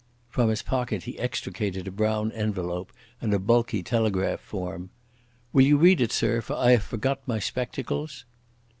From his pocket he extricated a brown envelope and a bulky telegraph form. "Will you read it, sir, for I haf forgot my spectacles?"